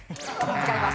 違います。